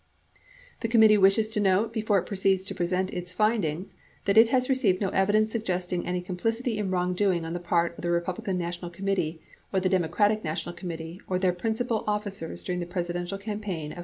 The committee wishes to note, before it proceeds to present its findings, that it has received no evidence suggesting any complicity in wrongdoing on the part of the Kepublican National Committee or the Democratic National Committee or their principal officers during the Presidential campaign of 1972.